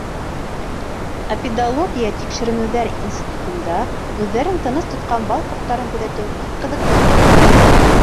Апидология тикшеренеүҙәр институтында үҙҙәрен тыныс тотҡан бал ҡорттарын күҙәтеү бик ҡыҙыҡлы булды.